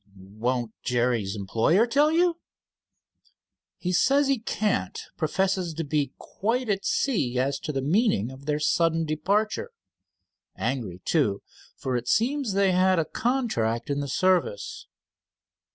"Won't Jerry's employer tell you?" "He says he can't. Professes to be quite at sea as to the meaning of their sudden departure. Angry, too, for it seems they had a contract in the service."